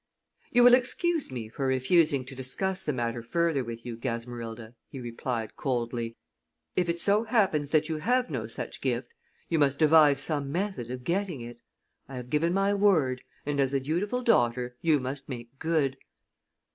"You will excuse me for refusing to discuss the matter further with you, Gasmerilda," he replied, coldly. "If it so happens that you have no such gift you must devise some method of getting it. I have given my word, and as a dutiful daughter you must make good."